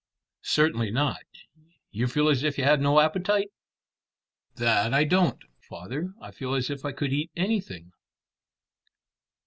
"Certainly not. You feel as if you had no appetite?" "That I don't, father. I feel as if I could eat anything."